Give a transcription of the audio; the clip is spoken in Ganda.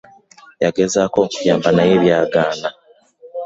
Yagezaako okunyamba naye byagaana.